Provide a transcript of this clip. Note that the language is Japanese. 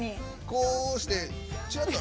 こうして、ちらっと。